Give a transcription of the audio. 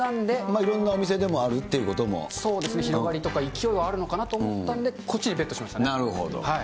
いろんなお店でもあるという広がりとか、勢いはあるのかなと思ったんで、なるほど。